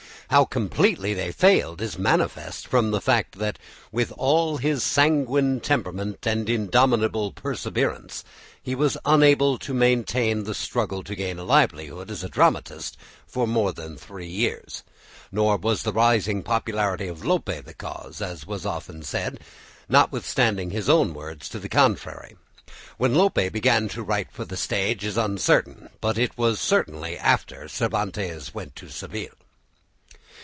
How completely they failed is manifest from the fact that with all his sanguine temperament and indomitable perseverance he was unable to maintain the struggle to gain a livelihood as a dramatist for more than three years; nor was the rising popularity of Lope the cause, as is often said, notwithstanding his own words to the contrary. When Lope began to write for the stage is uncertain, but it was certainly after Cervantes went to Seville.